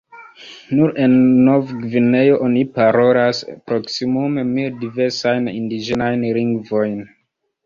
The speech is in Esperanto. Nur en Nov-Gvineo oni parolas proksimume mil diversajn indiĝenajn lingvojn.